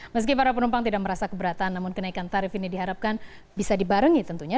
meski para penumpang tidak merasa keberatan namun kenaikan tarif ini diharapkan bisa dibarengi tentunya